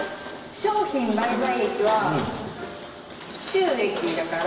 商品売買益は収益だから。